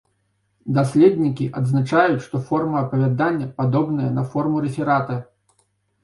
Даследнікі адзначаюць, што форма апавядання падобная на форму рэферата.